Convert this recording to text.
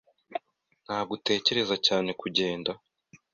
Ntabwo utekereza cyane kugenda